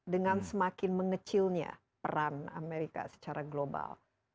dengan semakin mengecilnya peran amerika secara global